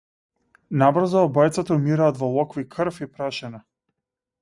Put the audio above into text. Набрзо обајцата умираат во локви крв и прашина.